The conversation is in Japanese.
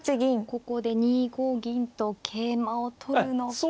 ここで２五銀と桂馬を取るのか。